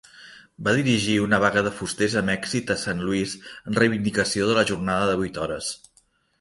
Va dirigir una vaga de fusters amb èxit a Saint Louis en reivindicació de la jornada de vuit hores.